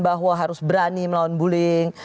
bahwa harus berani melawan bullying